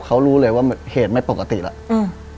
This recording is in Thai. เขารู้เลยว่าเหตุไม่ปกติแล้วอืม